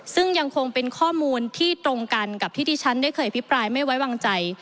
ซึ่งยังคงเป็นข้อมูลที่ตรงกันกับที่ที่ฉันได้เคยอภิปรายไม่ไว้วางใจ